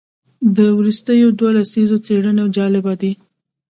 د وروستیو دوو لسیزو څېړنې جالبه دي.